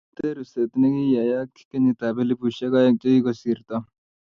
miten ruset negiyayak kenyitab elubushek aek chegigosirto